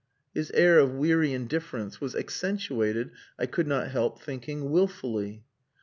His air of weary indifference was accentuated, I could not help thinking, wilfully.